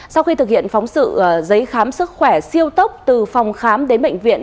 sau khi thực hiện phóng sự giấy khám sức khỏe siêu tốc từ phòng khám đến bệnh viện